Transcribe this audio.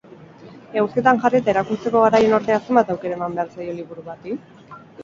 Eguzkitan jarri eta irakurtzeko garaian ordea zenbat aukera eman behar zaio liburu bati?